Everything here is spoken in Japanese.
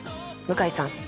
向井さん。